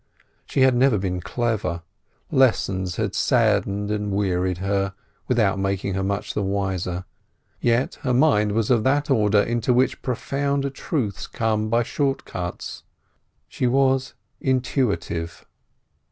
She had never been clever; lessons had saddened and wearied her, without making her much the wiser. Yet her mind was of that order into which profound truths come by short cuts. She was intuitive.